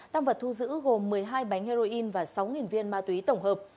tăng vật thu giữ gồm một mươi hai bánh heroin và sáu viên ma túy tổng hợp